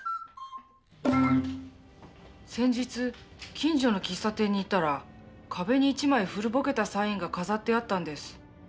先日近所の喫茶店に行ったら壁に一枚古ぼけたサインが飾ってあったんです。